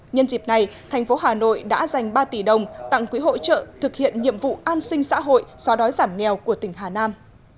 nhân dịp này thành phố hà nội đã dành ba tỷ đồng tặng quỹ hỗ trợ thực hiện nhiệm vụ an sinh xã hội xóa đói giảm nghèo của tỉnh hà nam